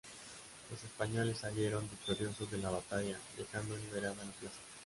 Los españoles salieron victoriosos de la batalla, dejando liberada la plaza.